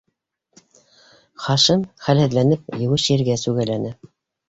Хашим, хәлһеҙләнеп, еүеш ергә сүгәләне.